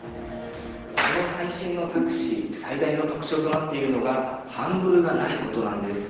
この最新のタクシー最大の特徴となっているのがハンドルがないことなんです。